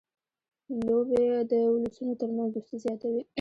لوبې د اولسونو ترمنځ دوستي زیاتوي.